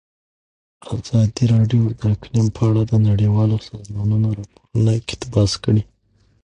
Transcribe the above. ازادي راډیو د اقلیم په اړه د نړیوالو سازمانونو راپورونه اقتباس کړي.